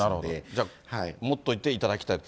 じゃあ、持っといていただきたい。